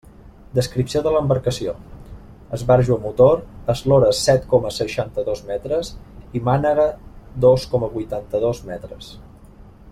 Descripció de l'embarcació: esbarjo a motor, eslora set coma seixanta-dos metres i mànega dos coma vuitanta-dos metres.